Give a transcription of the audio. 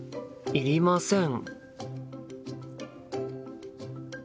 いりません。